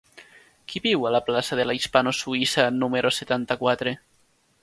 Qui viu a la plaça de la Hispano Suïssa número setanta-quatre?